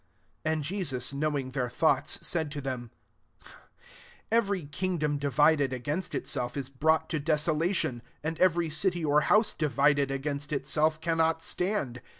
"* 35 And Jesus knowing their thoughts, said to them, " Every kingdom divided against itself is brought to desolation ; and every city or house divided against itself cannot stand.